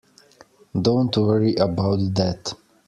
Don't worry about that.